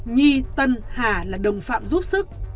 nhi tân hà là đồng phạm giúp sức